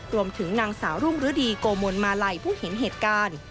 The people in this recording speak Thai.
รวมถึงนางสาวรุ่งฤดีโกมนมาลัยผู้เห็นเหตุการณ์